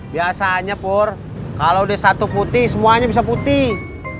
biasanya pur kalau udah satu putih semuanya bisa putih